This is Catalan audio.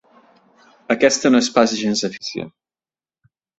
Aquesta no és pas gens eficient.